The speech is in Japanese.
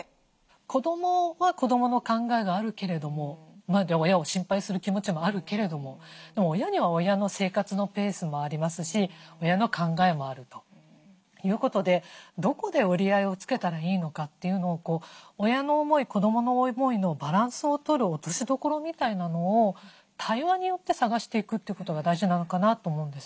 子どもは子どもの考えがあるけれども親を心配する気持ちもあるけれども親には親の生活のペースもありますし親の考えもあるということでどこで折り合いをつけたらいいのかというのを親の思い子どもの思いのバランスを取る落としどころみたいなのを対話によって探していくってことが大事なのかなと思うんですね。